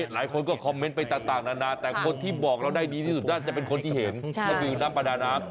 หลายคนก็คอมเมนต์ไปต่างประดานาศมีซึ่งเขาก็รู้จะเป็นมาก